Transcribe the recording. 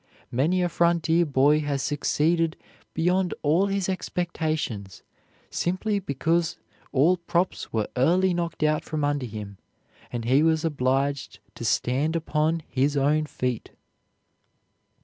Many a frontier boy has succeeded beyond all his expectations simply because all props were early knocked out from under him and he was obliged to stand upon his own feet.